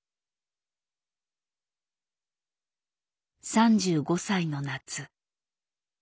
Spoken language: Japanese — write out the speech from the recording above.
３５歳の夏。